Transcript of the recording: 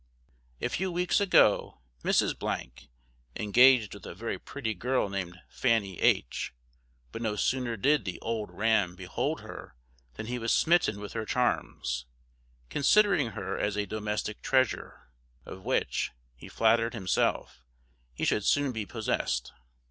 A few weeks ago Mrs engaged with a very pretty girl named Fanny H , but no sooner did "The Old Ram" behold her than he was smitten with her charms, considering her as a domestic treasure, of which, he flattered himself, he should soon be possessed.